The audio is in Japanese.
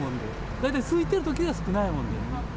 大体すいてるときが少ないもんでね。